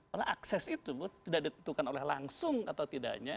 karena akses itu tidak ditentukan oleh langsung atau tidaknya